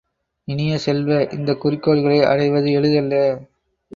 இனிய செல்வ, இந்தக் குறிக்கோள்களை அடைவது எளிதல்ல.